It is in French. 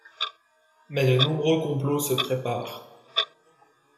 Mais de nombreux complots se préparent.